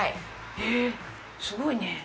えすごいね。